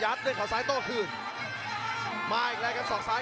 จังหวาดึงซ้ายตายังดีอยู่ครับเพชรมงคล